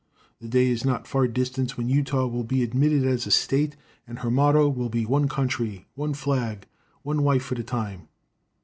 The day is not far distant when Utah will be admitted as a State and her motto will be "one country, one flag, and one wife at a time."